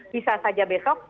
bisa saja besok